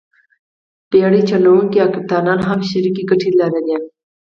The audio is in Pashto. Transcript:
بېړۍ چلوونکي او کپټانان هم شریکې ګټې یې لرلې.